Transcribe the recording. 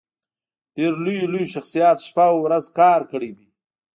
ډېرو لويو لويو شخصياتو شپه او ورځ کار کړی دی